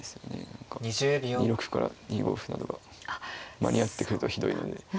何か２六歩から２五歩などが間に合ってくるとひどいので。